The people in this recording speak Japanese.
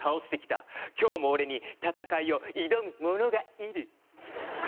今日も俺に戦いを挑む者がいる。